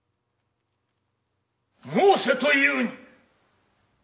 「申せと言うに！」。